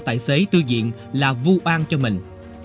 tài xế tư diện là vô an cho mình